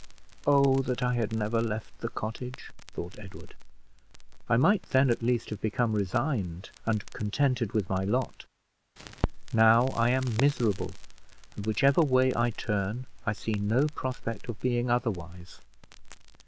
"Oh that I had never left the cottage!" thought Edward. "I might then, at least, have become resigned and contented with my lot. Now I am miserable, and, whichever way I turn, I see no prospect of being otherwise.